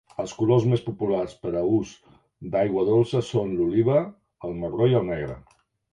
Els colors més populars per a ús d'aigua dolça són l'oliva, el marró i el negre.